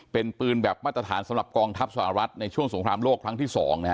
เป็นปืนแบบมาตรฐานสำหรับกองทัพสหรัฐในช่วงสงครามโลกครั้งที่๒นะฮะ